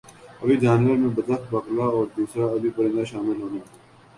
آبی جانور میں بطخ بگلا اور دُوسْرا آبی پرندہ شامل ہونا